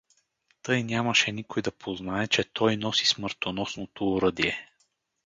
Тъй нямаше никой да познае, че той носи смъртоносното оръдие.